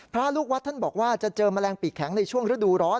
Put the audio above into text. พระลูกวัดท่านบอกว่าจะเจอแมลงปีกแข็งในช่วงฤดูร้อน